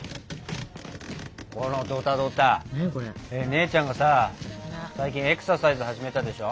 姉ちゃんがさ最近エクササイズ始めたでしょ？